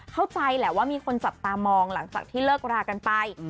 เข้าใจแหละว่ามีคนจับตามองหลังจากที่เลิกรากันไป